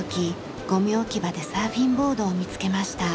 ゴミ置き場でサーフィンボードを見つけました。